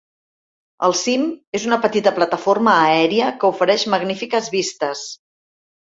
El cim és una petita plataforma aèria que ofereix magnífiques vistes.